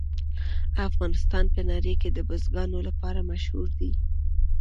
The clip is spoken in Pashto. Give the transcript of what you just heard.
افغانستان په نړۍ کې د بزګانو لپاره مشهور دی.